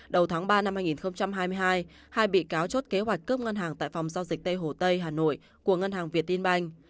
đầu tháng ba năm hai nghìn hai mươi hai hai bị cáo chốt kế hoạch cướp ngân hàng tại phòng giao dịch tây hồ tây hà nội của ngân hàng việt tiên banh